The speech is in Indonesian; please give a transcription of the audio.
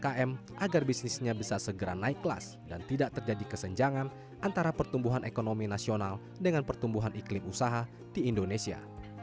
umkm agar bisnisnya bisa segera naik kelas dan tidak terjadi kesenjangan antara pertumbuhan ekonomi nasional dengan pertumbuhan iklim usaha di indonesia